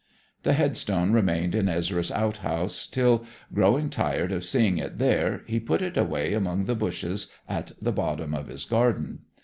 The headstone remained in Ezra's outhouse till, growing tired of seeing it there, he put it away among the bushes at the bottom of his garden.